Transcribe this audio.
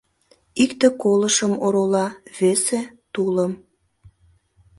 «Икте колышым орола, весе — тулым...